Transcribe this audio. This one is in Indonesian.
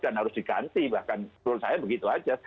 dan harus diganti bahkan menurut saya begitu saja